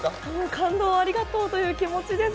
感動をありがとうという気持ちです。